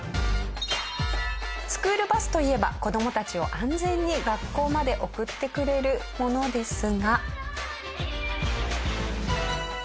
スクールバスといえば子どもたちを安全に学校まで送ってくれるものですが。